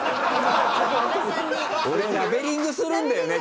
俺ラベリングするんだよね